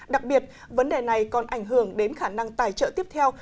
đặc biệt vấn đề này còn ảnh hưởng đến khả năng tài trợ tiếp theo